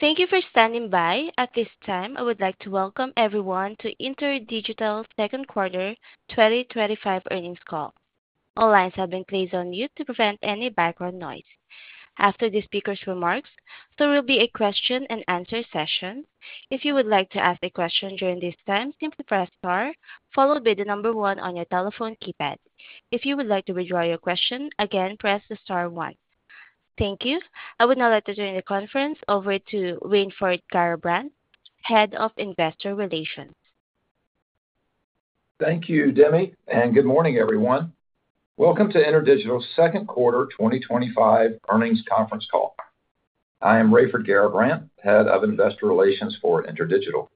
Thank you for standing by. At this time, I would like to welcome everyone to InterDigital second quarter 2025 earnings call. All lines have been placed on mute to prevent any background noise. After the speakers' remarks, there will be a question-and-answer session. If you would like to ask a question during this time, simply press STAR followed by the number one on your telephone keypad. If you would like to withdraw your question, again, press the star one. Thank you. I would now like to turn the conference over to Raiford Garrabrant, Head of Investor Relations. Thank you, Demi, and good morning, everyone. Welcome to InterDigital's second quarter 2025 earnings conference call. I am Raiford Garrabrant, Head of Investor Relations for InterDigital.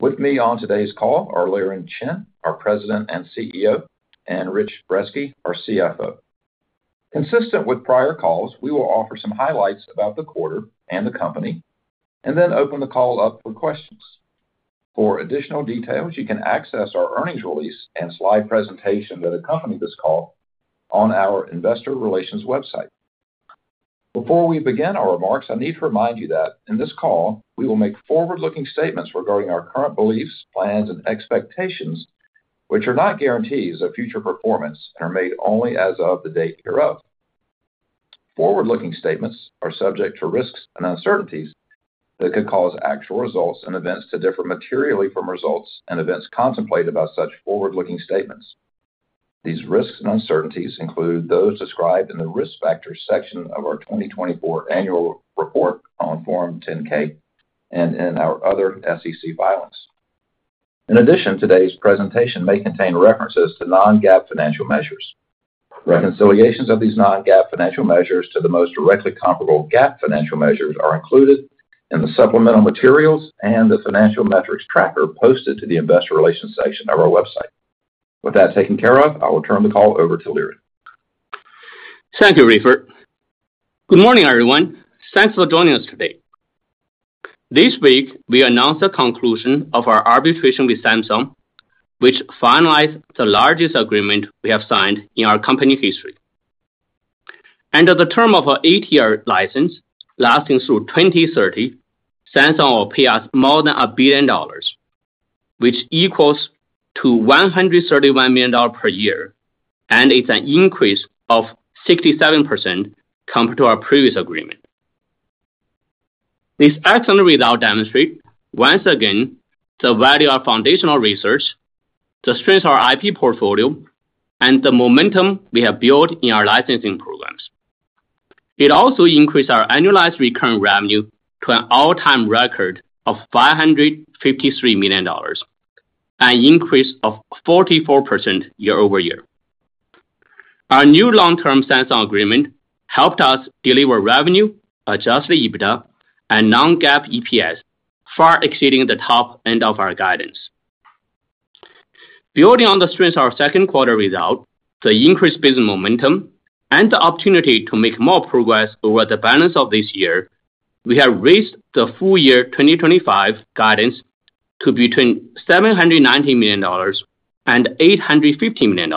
With me on today's call are Liren Chen, our President and CEO, and Rich Brezski, our CFO. Consistent with prior calls, we will offer some highlights about the quarter and the company and then open the call up for questions. For additional details, you can access our earnings release and slide presentation that accompany this call on our Investor Relations website. Before we begin our remarks, I need to remind you that in this call we will make forward-looking statements regarding our current beliefs, plans, and expectations, which are not guarantees of future performance and are made only as of the date hereof. Forward-looking statements are subject to risks and uncertainties that could cause actual results and events to differ materially from results and events contemplated by such forward-looking statements. These risks and uncertainties include those described in the Risk Factors section of our 2024 Annual Report on Form 10-K and in our other SEC filings. In addition, today's presentation may contain references to non-GAAP financial measures. Reconciliations of these non-GAAP financial measures to the most directly comparable GAAP financial measures are included in the Supplemental Materials and the Financial Metrics Tracker posted to the Investor Relations section of our website. With that taken care of, I will turn the call over to Liren. Thank you, Raiford. Good morning, everyone. Thanks for joining us today. This week we announced the conclusion of our arbitration with Samsung, which finalized the largest agreement we have signed in our company history. Under the term of an eight-year license lasting through 2030, Samsung will pay us more than $1 billion, which equals $131 million per year, and it's an increase of 67% compared to our previous agreement. This excellent result demonstrates once again the value of foundational research, the strength of our IP portfolio, and the momentum we have built in our licensing programs. It also increased our annualized recurring revenue to an all-time record of $553 million, an increase of 44% year-over-year. Our new long-term Samsung agreement helped us deliver revenue, adjusted EBITDA, and non-GAAP EPS far exceeding the top end of our guidance. Building on the strength of our second quarter result, the increased business momentum, and the opportunity to make more progress over the balance of this year, we have raised the full year 2025 guidance to between $790 million and $850 million,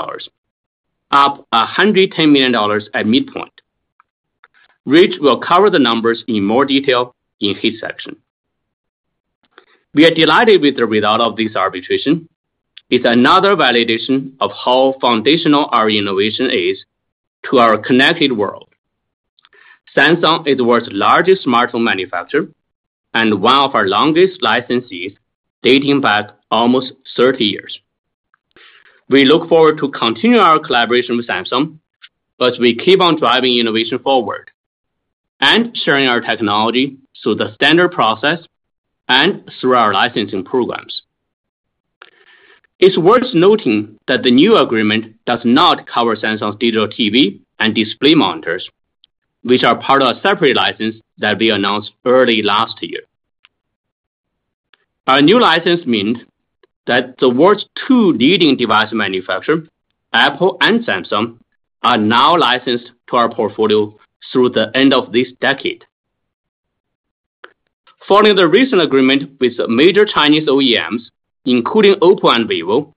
up $110 million at midpoint. Rich will cover the numbers in more detail in his section. We are delighted with the result of this arbitration. It's another validation of how foundational our innovation is to our connected world. Samsung is the world's largest smartphone manufacturer and one of our longest licensees dating back almost 30 years. We look forward to continuing our collaboration with Samsung as we keep on driving innovation forward and sharing our technology through the standard process and through our licensing programs. It's worth noting that the new agreement does not cover Samsung's digital TV and display monitors, which are part of a separate license that we announced early last year. Our new license means that the world's two leading device manufacturers, Apple and Samsung, are now licensed to our portfolio through the end of this decade. Following the recent agreement with major Chinese OEMs including Oppo and Vivo,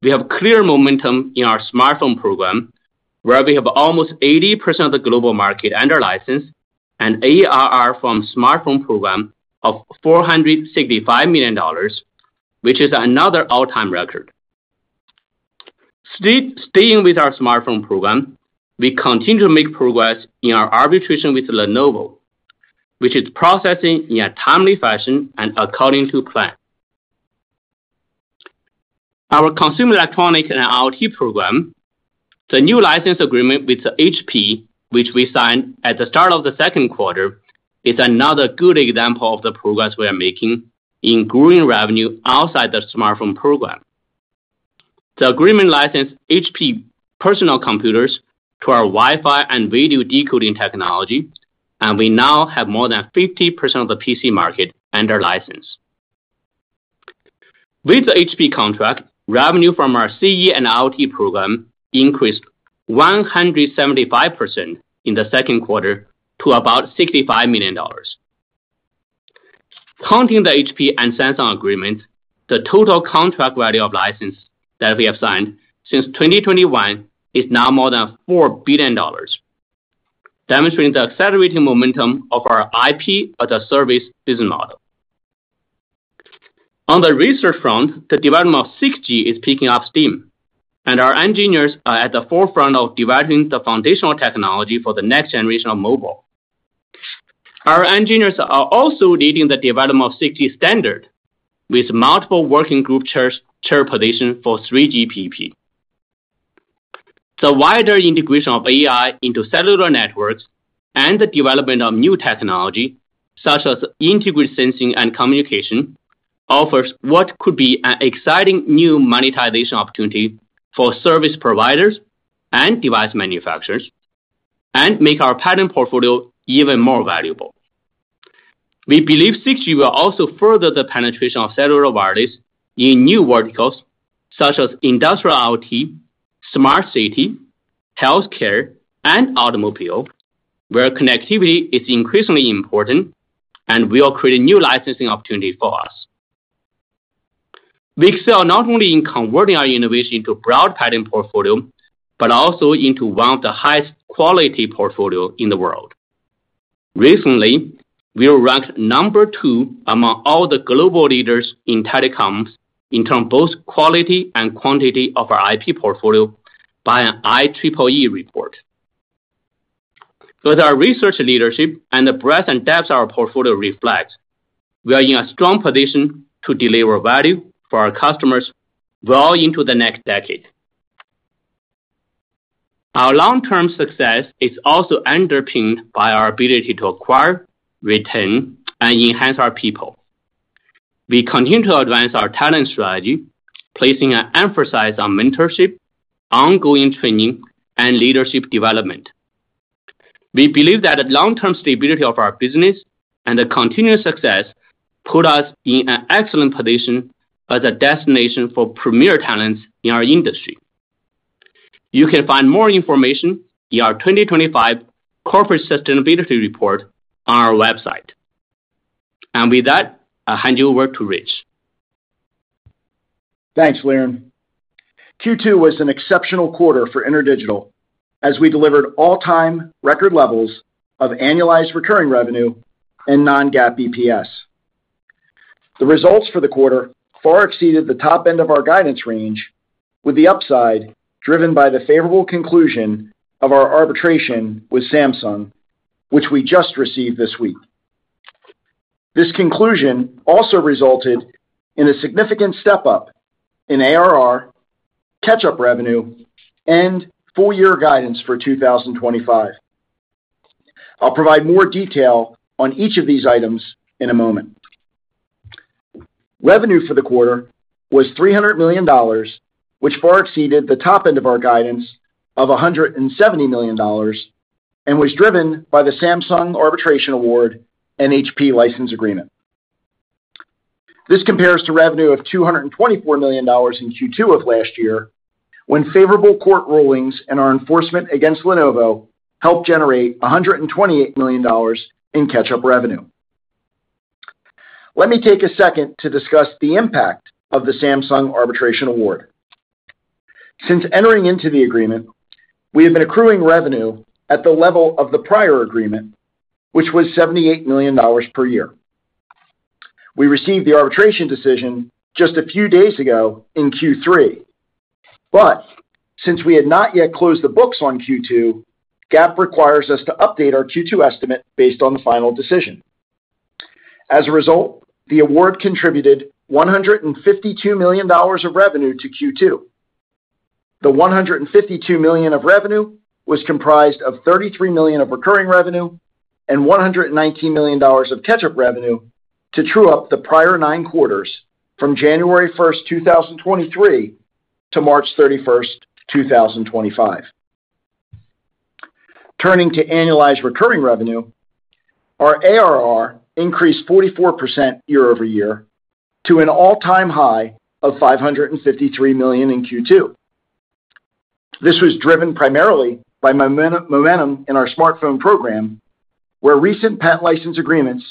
we have clear momentum in our smartphone program where we have almost 80% of the global market under license and ARR from smartphone program of $465 million, which is another all-time record. Staying with our smartphone program, we continue to make progress in our arbitration with Lenovo, which is processing in a timely fashion and according to plan, our consumer electronic and IoT program. The new license agreement with HP, which we signed at the start of the second quarter, is another good example of the progress we are making in growing revenue outside the smartphone licensing program. The agreement licensed HP personal computers to our Wi-Fi and video decoding technology, and we now have more than 50% of the PC market under license. With the HP contract, revenue from our consumer electronics and IoT program increased 175% in the second quarter to about $65 million. Counting the HP and Samsung agreement, the total contract value of licenses that we have signed since 2021 is now more than $4 billion, demonstrating the accelerating momentum of our IP as a service business model. On the research front, the development of 6G is picking up steam, and our engineers are at the forefront of developing the foundational technology for the next generation of mobile. Our engineers are also leading the development of 6G standards with multiple working group chair positions for 3GPP. The wider integration of AI into cellular networks and the development of new technology such as integrated sensing and communication offers what could be an exciting new monetization opportunity for service providers and device manufacturers and make our patent portfolio even more valuable. We believe 6G will also further the penetration of cellular wireless in new verticals such as industrial IoT, smart city, healthcare, and automobile, where connectivity is increasingly important and will create a new licensing opportunity for us. We excel not only in converting our innovation into a broad patent portfolio but also into one of the highest quality portfolios in the world. Recently, we were ranked number two among all the global leaders in telecoms in terms of both quality and quantity of our IP portfolio by an IEEE report. With our research leadership and the breadth and depth our portfolio reflects, we are in a strong position to deliver value for our customers well into the next decade. Our long-term success is also underpinned by our ability to acquire, retain, and enhance our people. We continue to advance our talent strategy, placing an emphasis on mentorship, ongoing training, and leadership development. We believe that the long-term stability of our business and the continuous success put us in an excellent position as a destination for premier talents in our industry. You can find more information in our 2025 Corporate Sustainability Report on our website, and with that, I'll hand you over to Rich. Thanks, Leon. Q2 was an exceptional quarter for InterDigital as we delivered all-time record levels of annualized recurring revenue and non-GAAP EPS. The results for the quarter far exceeded the top end of our guidance range, with the upside driven by the favorable conclusion of our arbitration with Samsung, which we just received this week. This conclusion also resulted in a significant step up in ARR catch-up revenue and full-year guidance for 2025. I'll provide more detail on each of these items in a moment. Revenue for the quarter was $300 million, which far exceeded the top end of our guidance of $170 million and was driven by the Samsung arbitration award and HP license agreement. This compares to revenue of $224 million in Q2 of last year, when favorable court rulings and our enforcement against Lenovo helped generate $128 million in catch-up revenue. Let me take a second to discuss the impact of the Samsung arbitration award. Since entering into the agreement, we have been accruing revenue at the level of the prior agreement, which was $78 million per year. We received the arbitration decision just a few days ago in Q3, but since we had not yet closed the books on Q2, GAAP requires us to update our Q2 estimate based on the final decision. As a result, the award contributed $152 million of revenue to Q2. The $152 million of revenue was comprised of $33 million of recurring revenue and $119 million of catch-up revenue to true up the prior nine quarters from January 1st, 2023 to March 31st, 2025. Turning to annualized recurring revenue, our ARR increased 44% year-over-year to an all-time high of $553 million in Q2. This was driven primarily by momentum in our smartphone licensing program, where recent patent license agreements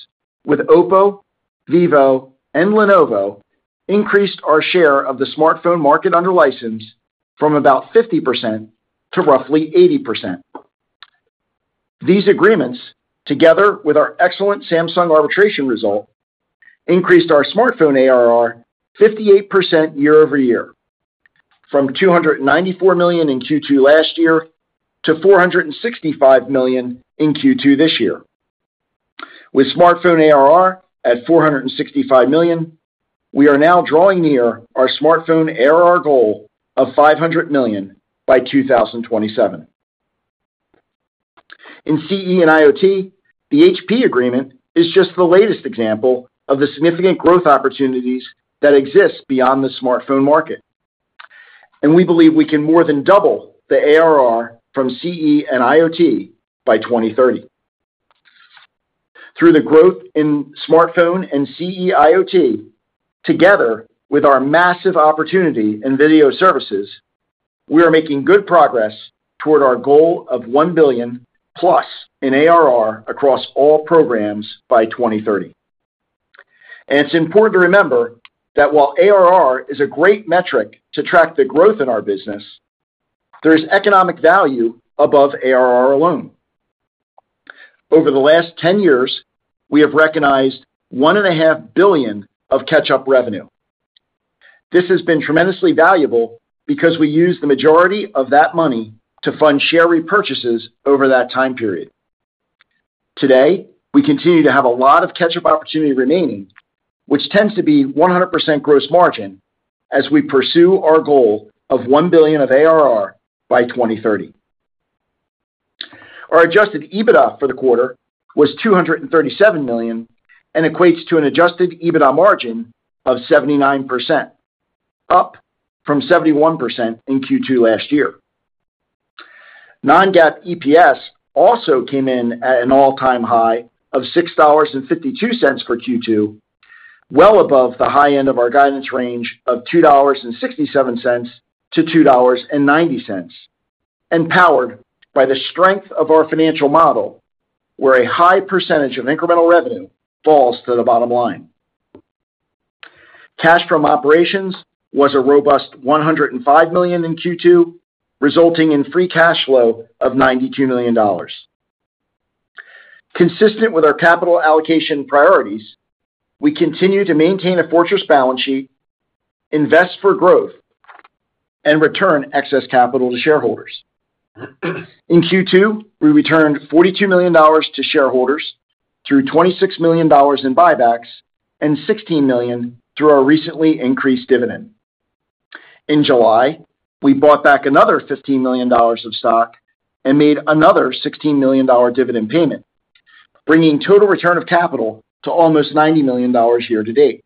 with Oppo, Vivo, and Lenovo increased our share of the smartphone market under license from about 50% to roughly 80%. These agreements, together with our excellent Samsung arbitration result, increased our smartphone ARR 58% year-over-year from $294 million in Q2 last year to $465 million in Q2 this year. With smartphone ARR at $465 million, we are now drawing near our smartphone ARR goal of $500 million by 2027 in consumer electronics and IoT. The HP agreement is just the latest example of the significant growth opportunities that exist beyond the smartphone market, and we believe we can more than double the ARR from consumer electronics and IoT by 2030. Through the growth in smartphone and consumer electronics IoT, together with our massive opportunity in video services, we are making good progress toward our goal of $1+ billion in ARR across all programs by 2030. It's important to remember that while ARR is a great metric to track the growth in our business, there is economic value above ARR alone. Over the last 10 years, we have recognized $1.5 billion of catch up revenue. This has been tremendously valuable because we used the majority of that money to fund share repurchases over that time period. Today, we continue to have a lot of catch up opportunity remaining, which tends to be 100% gross margin as we pursue our goal of $1 billion of ARR by 2030. Our adjusted EBITDA for the quarter was $237 million and equates to an adjusted EBITDA margin of 79%, up from 71% in Q2 last year. Non-GAAP EPS also came in at an all-time high of $6.52 for Q2, well above the high end of our guidance range of $2.67-$2.90 and powered by the strength of our financial model where a high percentage of incremental revenue falls to the bottom line. Cash from operations was a robust $105 million in Q2, resulting in free cash flow of $92 million. Consistent with our capital allocation priorities, we continue to maintain a fortress balance sheet, invest for growth, and return excess capital to shareholders. In Q2, we returned $42 million to shareholders through $26 million in buybacks and $16 million through our recently increased dividend. In July, we bought back another $15 million of stock and made another $16 million dividend payment, bringing total return of capital to almost $90 million year-to-date.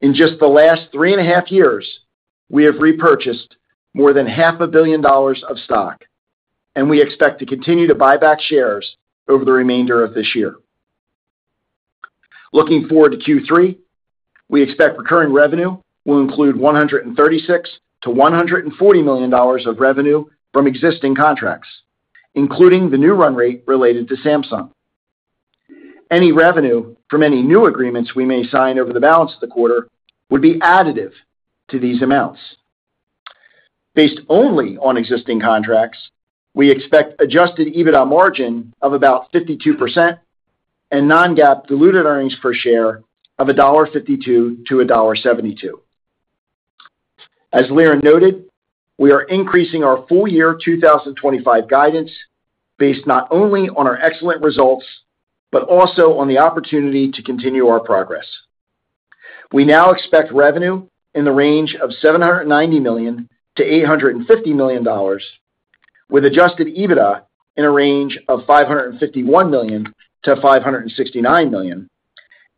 In just the last 3.5 years, we have repurchased more than $0.5 billion of stock, and we expect to continue to buy back shares over the remainder of this year. Looking forward to Q3, we expect recurring revenue will include $136 million-$140 million of revenue from existing contracts, including the new run rate related to Samsung. Any revenue from any new agreements we may sign over the balance of the quarter would be additive to these amounts. Based only on existing contracts, we expect adjusted EBITDA margin of about 52% and non-GAAP diluted earnings per share of $1.52-$1.72. As Liren noted, we are increasing our full year 2025 guidance based not only on our excellent results, but also on the opportunity to continue our progress. We now expect revenue in the range of $790 million to $850 million, with adjusted EBITDA in a range of $551 million-$569 million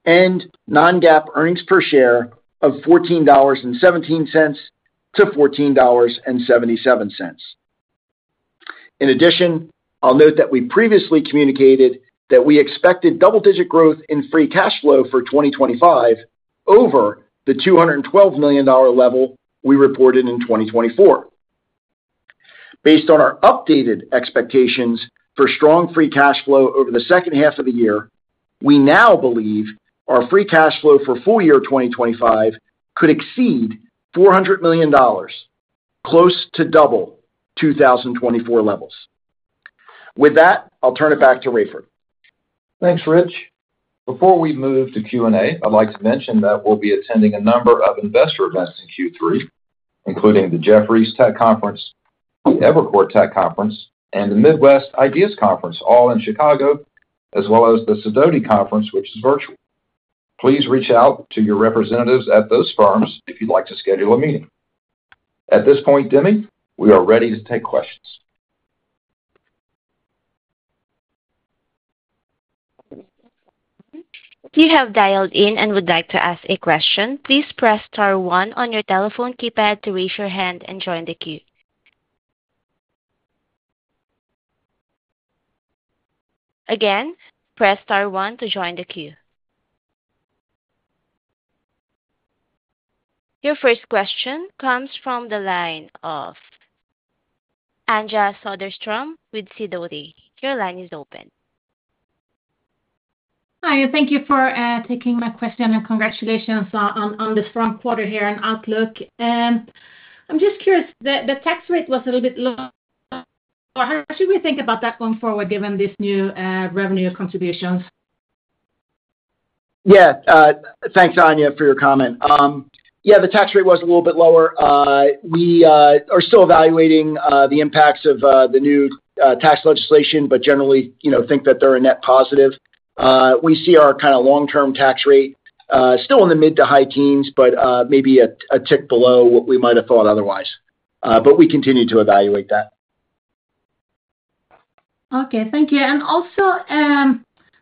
and non-GAAP earnings per share of $14.17-$14.77. In addition, I'll note that we previously communicated that we expected double-digit growth in free cash flow for 2025 over the $212 million level we reported in 2024. Based on our updated expectations for strong free cash flow over the second half of the year, we now believe our free cash flow for full year 2025 could exceed $400 million, close to double 2024 levels. With that, I'll turn it back to Raiford. Thanks, Rich. Before we move to Q&A, I'd like to mention that we'll be attending a number of investor events in Q3, including the Jefferies Tech Conference, Evercore Tech Conference, and the Midwest IDEAS Conference, all in Chicago, as well as the Sidoti Conference, which is virtual. Please reach out to your representatives at those firms if you'd like to schedule a meeting at this point. We are ready to take questions. If you have dialed in and would like to ask a question, please press star one on your telephone keypad to raise your hand and join the queue. Again, press star one to join the queue. Your first question comes from the line of Anja Soderstrom with Sidoti. Your line is open. Hi, thank you for taking my question and congratulations on this strong quarter here in Outlook. I'm just curious, the tax rate was a little bit low. How should we think about that going forward given this new revenue contributions? Yeah, thanks Anja for your comment. Yeah, the tax rate was a little bit lower. We are still evaluating the impacts of the new tax legislation, but generally think that they're a net positive. We see our kind of long term tax rate still in the mid to high teens, but maybe a tick below what we might have thought otherwise. We continue to evaluate that. Okay, thank you.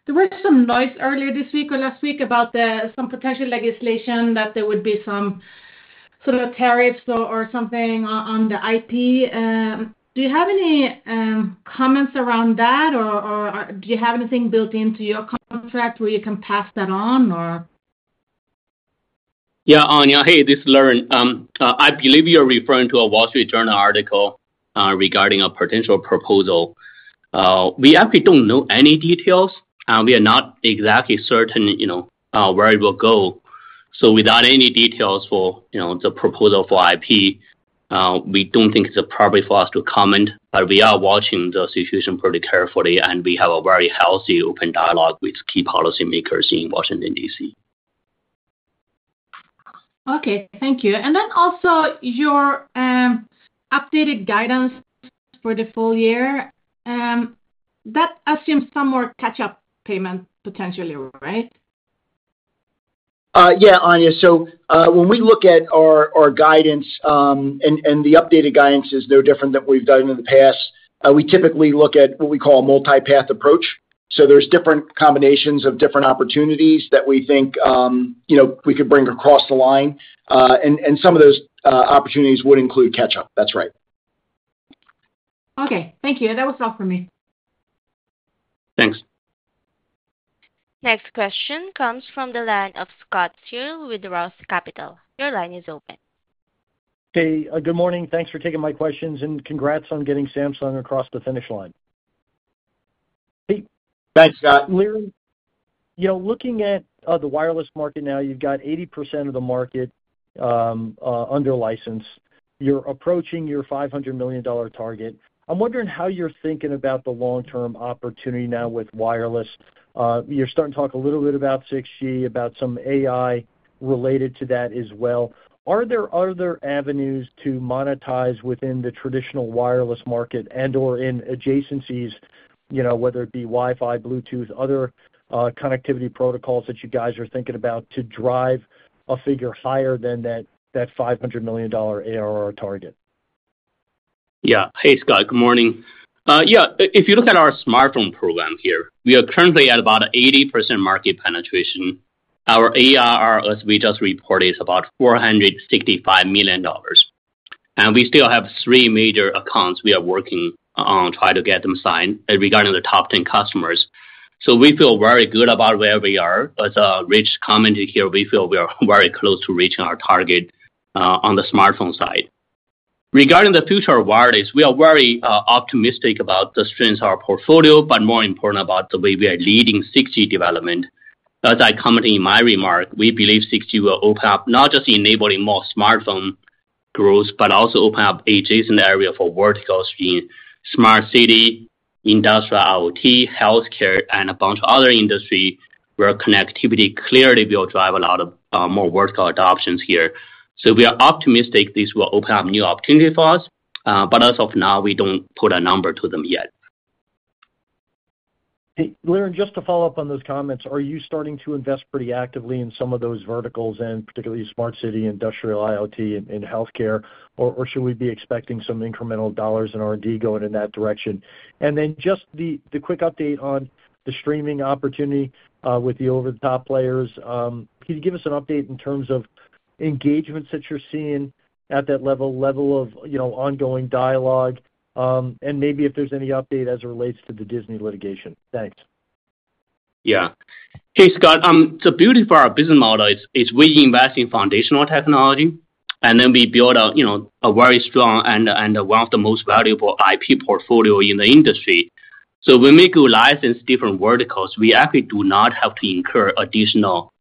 There was some noise earlier this week or last week about some potential legislation that there would be some sort of tariffs or something on the IP. Do you have any comments around that, or do you have anything built into your contract where you can pass that on? Yeah, Anja, hey, this is Liren. I believe you're referring to a Wall Street Journal article regarding a potential proposal. We actually don't know any details. We are not exactly certain where it will go. Without any details for the proposal for IP, we don't think it's appropriate for us to comment. We are watching the situation pretty carefully and we have a very healthy open dialogue with key policymakers in Washington D.C. Thank you. Your updated guidance for the full year assumes some more catch up payment potentially, right? Yeah, Anja. When we look at our guidance, the updated guidance is no different than what we've done in the past. We typically look at what we call a multi path approach. There are different combinations of different opportunities that we think we could bring across the line, and some of those opportunities would include catch up. That's right. Okay, thank you. That was all for me, thanks. Next question comes from the line of Scott Searle with ROTH Capital. Your line is open. Good morning. Thanks for taking my questions and congrats on getting Samsung across the finish line. Pete? Thanks, Scott. Looking at the wireless market now you've got 80% of the market under license. You're approaching your $500 million target. I'm wondering how you're thinking about the long term opportunity now with wireless. You're starting to talk a little bit about 6G, about some AI related to that as well. Are there other avenues to monetize within the traditional wireless market and/or in adjacencies, whether it be Wi-Fi, Bluetooth, other connectivity protocols that you guys are thinking about to drive a figure higher than that $500 million ARR target? Yeah. Hey Scott, good morning. If you look at our smartphone program here, we are currently at about 80% market penetration. Our ARR as we just reported is about $465 million, and we still have three major accounts we are working on to try to get them signed. Regarding the top 10 customers, we feel very good about where we are. As Rich commented here, we feel we are very close to reaching our target on the smartphone side. Regarding the future of wireless, we are very optimistic about the strengths of our portfolio, but more important, about the way we are leading 6G development. As I commented in my remark, we believe 6G will open up not just enabling more smartphone, but also open up adjacent area for verticals in Smart City, industrial IoT, healthcare, and a bunch of other industries where connectivity clearly will drive a lot of more vertical adoptions here. We are optimistic this will open up new opportunities for us, but as of now we don't put a number to them yet. Liren, just to follow up on those comments, are you starting to invest pretty actively in some of those verticals and particularly Smart City, industrial IoT and healthcare, or should we be expecting some incremental dollars in R&D going in that direction, and then just the quick update on the streaming opportunity with the over-the-top players. Can you give us an update in terms of engagements that you're seeing at that level, level of ongoing dialogue, and maybe if there's any update as it relates to the Disney litigation. Thanks. Yeah. Hey Scott, the beauty for our business model is we invest in foundational technology, and then we build a very strong and one of the most valuable IP portfolio in the industry. When we go license different verticals, we actually do not have to incur additional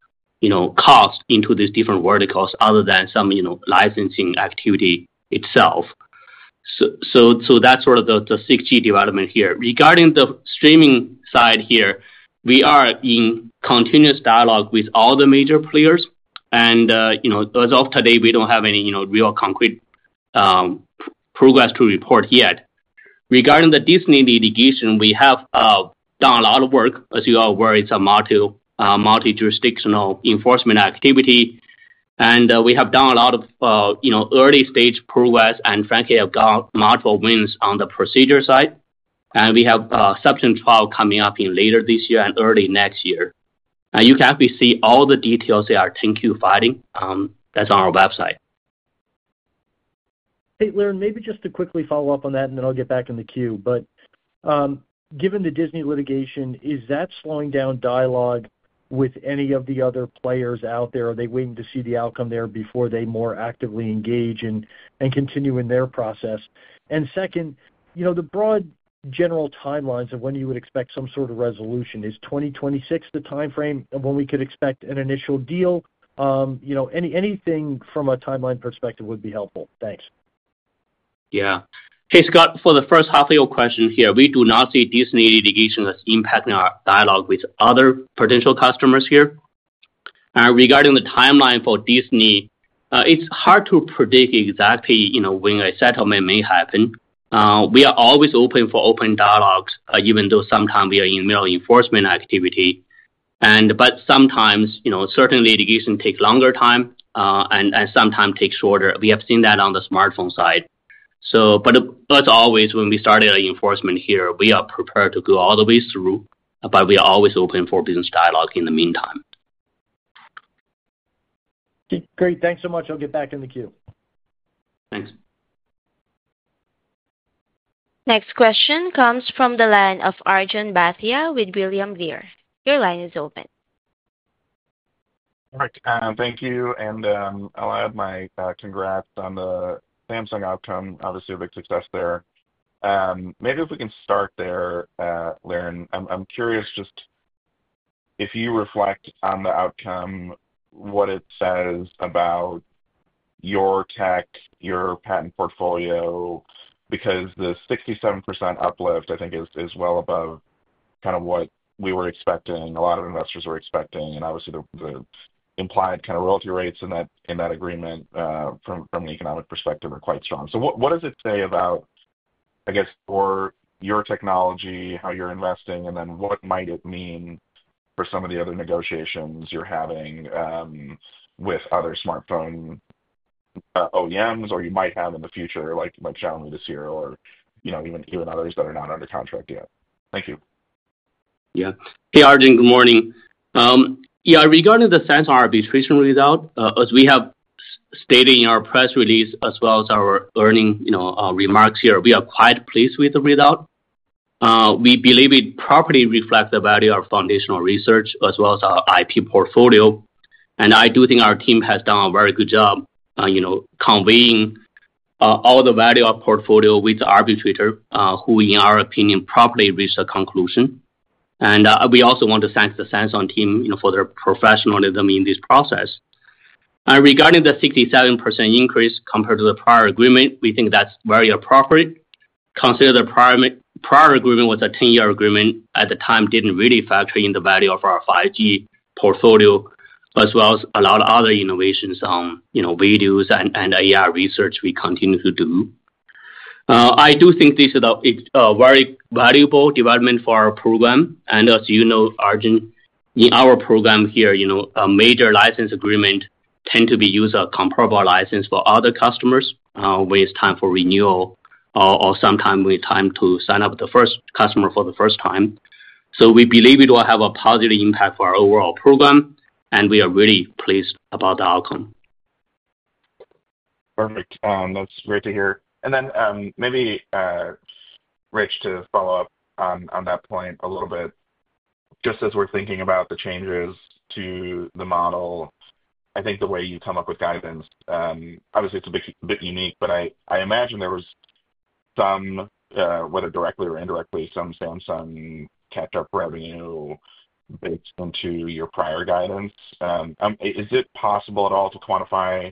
cost into these different verticals other than some licensing activity itself. That's sort of the 6G development here. Regarding the streaming side, we are in continuous dialogue with all the major players, and as of today we don't have any real concrete progress to report yet. Regarding the Disney litigation, we have done a lot of work, as you are aware. It's a multi-jurisdictional enforcement activity, and we have done a lot of early stage progress and frankly have got multiple wins on the procedure side, and we have substance trial coming up later this year and early next year. You can actually see all the details in our 10-Q filing that's on our website. Hey, Liren, maybe just to quickly follow up on that, then I'll get back in the queue. Given the Disney litigation, is that slowing down dialogue with any of the other players out there? Are they waiting to see the outcome there before they more actively engage and continue in their process? Second, you know, the broad general timelines of when you would expect some sort of resolution, is 2026 the timeframe when we could expect an initial deal? You know, anything from a timeline perspective would be helpful. Thanks. Yeah. Hey Scott, for the first half of your question here, we do not see Disney litigation as impacting our dialogue with other potential customers here. Regarding the timeline for Disney, it's hard to predict exactly when a settlement may happen. We are always open for open dialogues, even though sometimes we are in middle enforcement activity. Sometimes certain litigation takes longer time and sometimes takes shorter. We have seen that on the smartphone side. As always when we started an enforcement here, we are prepared to go all the way through, but we are always open for business dialogue in the meantime. Great. Thanks so much. I'll get back in the queue. Thanks. Next question comes from the line of Arjun Bhatia with William Blair. Your line is open. Thank you. I'll add my congrats on the Samsung outcome. Obviously a big success there. Maybe if we can start there. Liren, I'm curious just if you reflect on the outcome, what it says about your tech, your patent portfolio, because the 67% uplift I think is well above kind of what we were expecting, a lot of investors were expecting. Obviously the implied kind of royalty rates in that agreement from an economic perspective are quite strong. What does it say about, I guess for your technology, how you're investing and then what might it mean for some of the other negotiations you're having with other smartphone OEMs or you might have in the future, like Xiaomi, Lenovo or even others that are not under contract yet. Thank you. Yeah. Hey Arjun, good morning. Regarding the Samsung arbitration result, as we have stated in our press release, as well as our earnings remarks here, we are quite pleased with the result. We believe it properly reflects the value of foundational research as well as our IP portfolio. I do think our team has done a very good job conveying all the value of the portfolio with the arbitrator, who in our opinion properly reached a conclusion. We also want to thank the Samsung team for their professionalism in this process regarding the 67% increase compared to the prior agreement. We think that's very, very appropriate. Consider the prior agreement with a 10-year agreement at the time didn't really factor in the value of our 5G portfolio as well as a lot of other innovations, video and AI research we continue to do. I do think this is a very valuable development for our program. As you know, Arjun, in our program here a major license agreement tends to be used as a comparable license for other customers when it's time for renewal or sometimes when it's time to sign up with the first customer for the first time. We believe it will have a positive impact for our overall program and we are really pleased about the outcome. Perfect, that's great to hear. Maybe, Rich, to follow up on that point a little bit, just as we're thinking about the changes to the model. I think the way you come up with guidance, obviously it's a bit unique, but I imagine there was some, whether directly or indirectly, some Samsung catch up revenue based into your prior guidance. Is it possible at all to quantify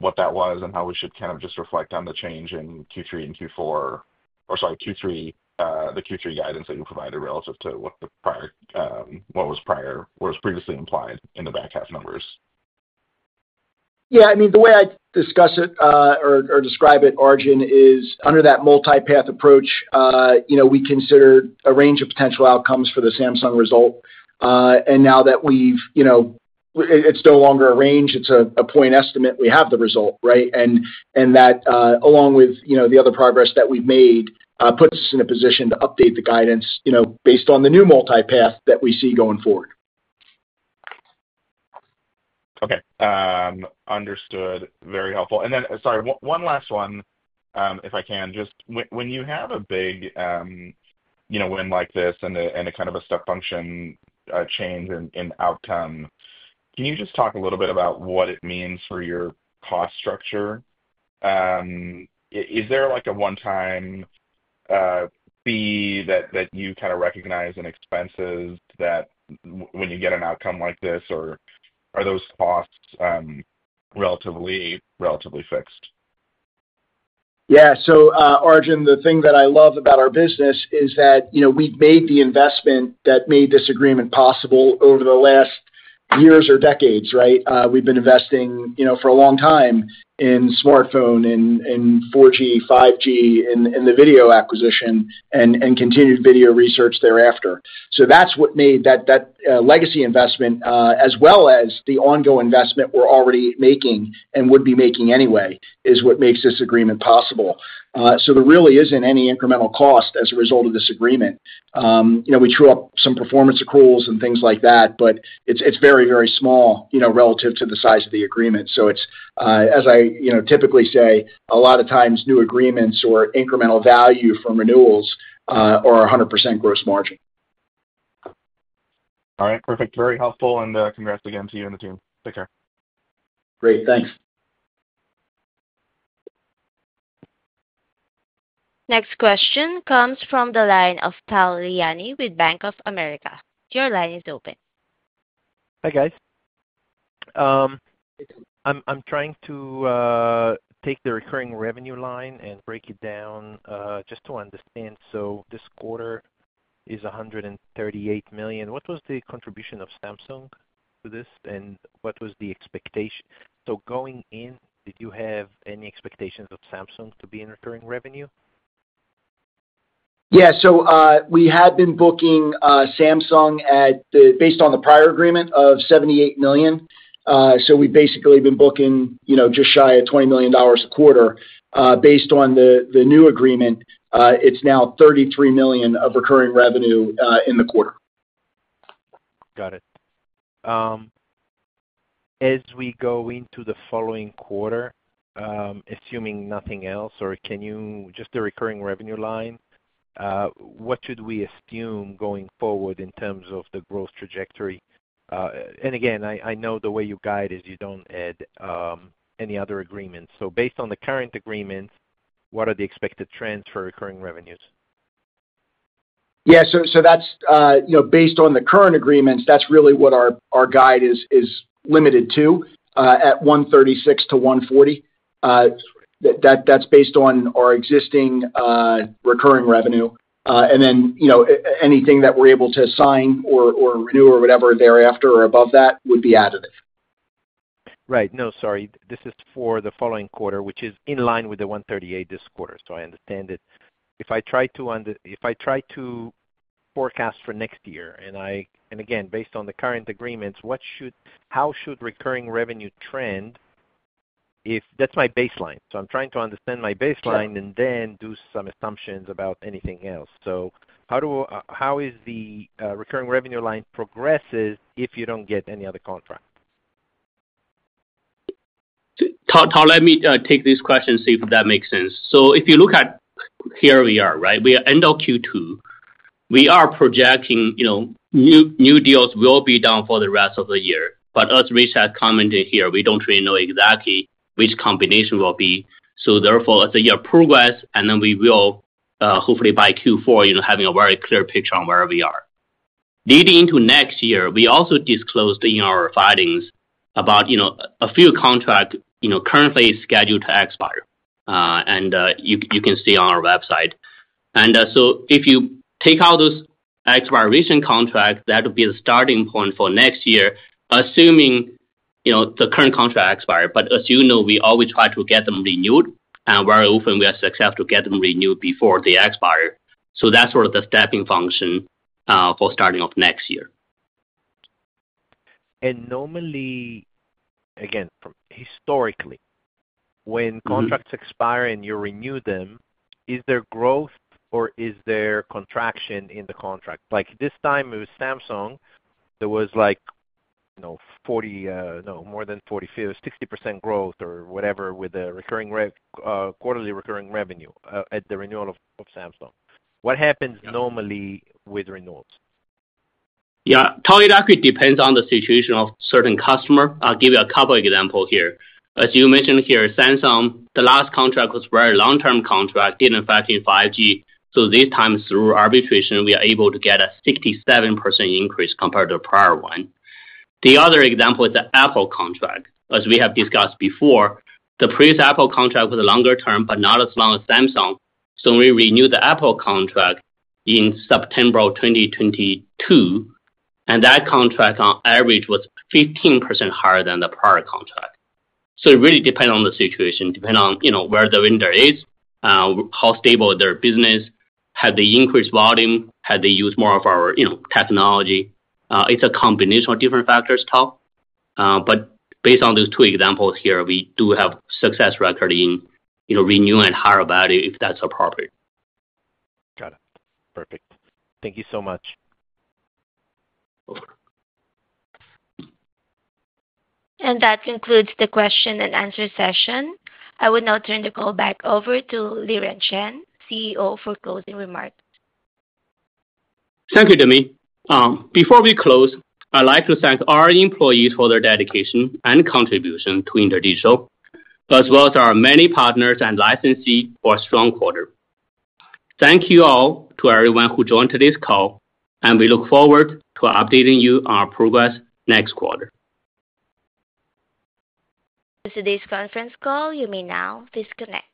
what that was and how we should kind of just reflect on the change in Q3, the Q3 guidance that you provided relative to what the pricing prior, what was prior, what was previously implied in the back half numbers? Yeah, I mean the way I discuss it or describe it, Arjun, is under that multi path approach. You know, we considered a range of potential outcomes for the Samsung result, and now that we've, you know, it's no longer a range, it's a point estimate, we have the result, right? That, along with the other progress that we've made, puts us in a position to update the guidance based on the new multi path that we see going forward. Okay, understood, very helpful. Sorry, one last one if I can. Just when you have a big win like this and a kind of a step function change in outcome, can you just talk a little bit about what it means for your cost structure? Is there like a one-time fee that you kind of recognize in expenses when you get an outcome like this, or are those costs relatively fixed? Yeah. Arjun, the thing that I love about our business is that we've made the investment that made this agreement possible over the last years or decades. Right. We've been investing for a long time in smartphone, in 4G, 5G, in the video acquisition and continued video research thereafter. That's what made that legacy investment as well as the ongoing investment we're already making and would be making anyway is what makes this agreement possible. There really isn't any incremental cost as a result of this agreement. We true up some performance accruals and things like that, but it's very, very small relative to the size of the agreement. As I typically say, a lot of times new agreements or incremental value from renewals are 100% gross margin. All right, perfect. Very helpful and congrats again to you and the team. Take care. Great, thanks. Next question comes from the line of Tal Liani with Bank of America. Your line is open. Hi guys. I'm trying to take the recurring revenue line and break it down just to understand. This quarter is $138 million. What was the contribution of Samsung to this, and what was the expectation? Going in, did you have any expectations of Samsung to be in recurring revenue? Yeah, we had been booking Samsung based on the prior agreement of $78 million. We basically been booking, you know, just shy of $20 million a quarter. Based on the new agreement, it's now $33 million of recurring revenue in the quarter. Got it. As we go into the following quarter, assuming nothing else, or can you just the recurring revenue line, what should we assume going forward in terms of the growth trajectory? I know the way you guide is you don't add any other agreements. Based on the current agreements, what are the expected trends for recurring revenues? That's based on the current agreements. That's really what our guide is limited to at $136 million-$140 million. That's based on our existing recurring revenue, and anything that we're able to sign or renew or whatever thereafter or above that would be additive. Right. No, sorry. This is for the following quarter, which is in line with the $138 million this quarter. I understand it. If I try to forecast for next year, and again based on the current agreements, how should recurring revenue trend if that's my baseline? I'm trying to understand my baseline and then do some assumptions about anything else. How is the recurring revenue line progressing if you don't get any other contract? Let me take this question, see if that makes sense. If you look at here we are, right, we end of Q2, we are projecting new deals will be done for the rest of the year. As Rich Brezski commented here, we don't really know exactly which combination will be. Therefore, as the year progresses, we will hopefully by Q4 have a very clear picture on where we are leading into next year. We also disclosed in our filings about a few contracts currently scheduled to expire, and you can see on our website, and if you take out those expiration contracts, that would be the starting point for next year assuming the current contract expires. As you know, we always try to get them renewed, and very often we are successful to get them renewed before they expire. That's sort of the stepping function for starting off next year. Normally, again, historically when contracts expire and you renew them, is there growth or is there contraction in the contract? Like this time with Samsung there was like 40%, no, more than 40%, 60% growth or whatever with the recurring revenue, quarterly recurring revenue at the renewal of Samsung. What happens normally with renewals? Yeah, it actually depends on the situation of certain customer. I'll give you a couple example here. As you mentioned here, Samsung, the last contract was very long term contract, didn't affect in 5G. This time, through arbitration, we are able to get a 67% increase compared to the prior one. The other example is the Apple contract. As we have discussed before, the previous Apple contract was a longer term but not as long as Samsung. We renewed the Apple contract in September 2022, and that contract on average was 15% higher than the prior contract. It really depends on the situation depending on where the vendor is, how stable their business, have they increased volume, have they used more of our technology? It's a combination of different factors. Tough. Based on those two examples, here we do have success record in renewing at higher value if that's appropriate. Got it. Perfect. Thank you so much. That concludes the question-and-answer session. I will now turn the call back over to Liren Chen, CEO, for closing remarks. Thank you, Demi. Before we close, I'd like to thank our employees for their dedication and contribution to InterDigital, as well as our many partners and licensees for a strong quarter. Thank you all to everyone who joined today's call, and we look forward to updating you on our progress next quarter. For today's conference call, you may now please connect.